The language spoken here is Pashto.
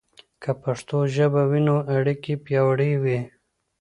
که پښتو ژبه وي، نو اړیکې پياوړي وي.